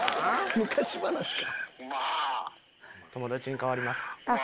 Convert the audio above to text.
昔話か。